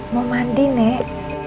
mau mandi nek